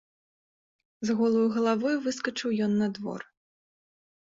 З голаю галавой выскачыў ён на двор.